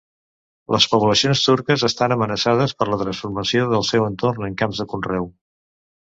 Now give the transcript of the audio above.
Les poblacions turques estan amenaçades per la transformació del seu entorn en camps de conreu.